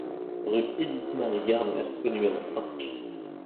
Rue Édith Mary Garner au numéro cinq